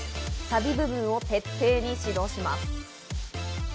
サビ部分を徹底指導します。